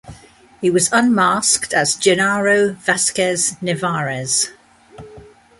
He was unmasked as Genaro Vazquez Nevarez.